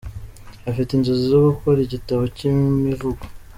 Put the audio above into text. Afite inzozi zo gukora igitabo cy’ imivugo.